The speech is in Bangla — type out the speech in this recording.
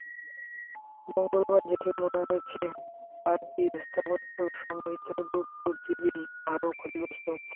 মঙ্গলবার দেখে মনে হয়েছে, পার্কটির স্থাপত্য সমৃদ্ধ রূপ প্রতিদিন আরও ক্ষতিগ্রস্ত হচ্ছে।